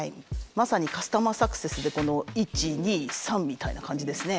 まさにカスタマーサクセスでこの１２３みたいな感じですね。